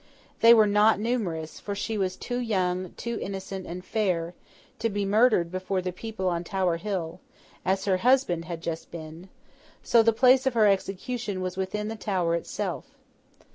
They were not numerous; for she was too young, too innocent and fair, to be murdered before the people on Tower Hill, as her husband had just been; so, the place of her execution was within the Tower itself.